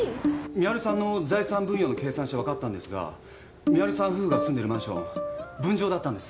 美晴さんの財産分与の計算して分かったんですが美晴さん夫婦が住んでるマンション分譲だったんです。